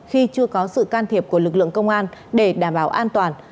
khi chưa có sự can thiệp của lực lượng công an để đảm bảo an toàn